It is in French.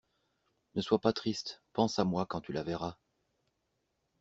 Ne sois pas triste, pense à moi quand tu la verras.